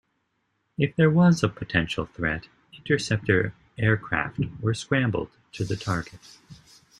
If there was a potential threat, interceptor aircraft were scrambled to the target.